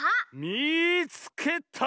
「みいつけた！」。